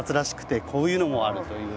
こういうのもあるという。